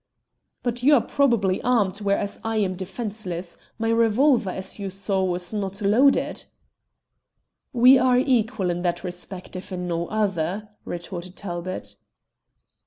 "But you are probably armed, whereas I am defenceless? My revolver, as you saw, was not loaded." "We are equal in that respect, if in no other," retorted Talbot.